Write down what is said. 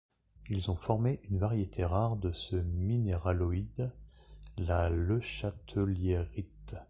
Ils ont formé une variété rare de ce minéraloïde, la lechateliérite.